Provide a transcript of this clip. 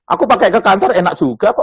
aku pakai ke kantor enak juga kok